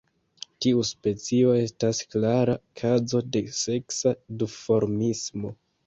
Tiu specio estas klara kazo de seksa duformismo.